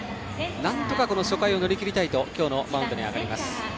なんとか初回を乗り切りたいと今日のマウンドに上がります。